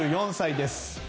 ２４歳です。